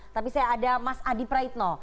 tapi saya ada mas adi praitno